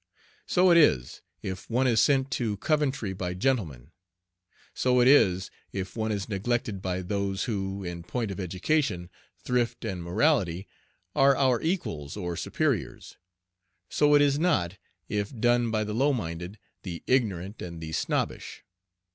So it is, if one is sent to Coventry by gentlemen. So it is, if one is neglected by those who, in point of education, thrift, and morality are our equals or superiors. So it is not, if done by the low minded, the ignorant, and the snobbish.